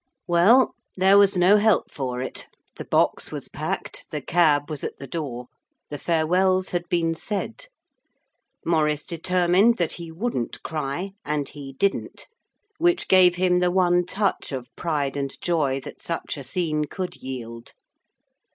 Well, there was no help for it. The box was packed, the cab was at the door. The farewells had been said. Maurice determined that he wouldn't cry and he didn't, which gave him the one touch of pride and joy that such a scene could yield.